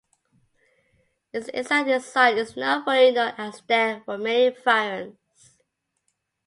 Its exact design is not fully known as there were many variants.